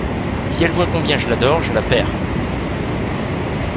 Si elle voit combien je l'adore, je la perds.